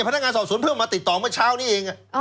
พนักงานสอบสวนเพิ่งมาติดต่อเมื่อเช้านี้เอง